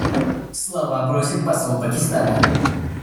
Слова просит посол Пакистана.